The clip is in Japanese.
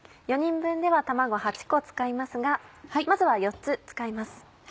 ４人分では卵８個使いますがまずは４つ使います。